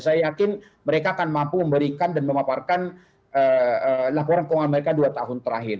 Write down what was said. saya yakin mereka akan mampu memberikan dan memaparkan laporan keuangan mereka dua tahun terakhir